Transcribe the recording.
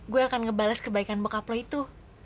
gue akan ngebalas kebaikan bokap lo itu